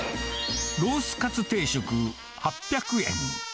ロースかつ定食８００円。